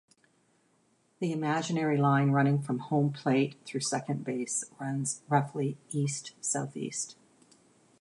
The imaginary line running from home plate through second base runs roughly east-southeast.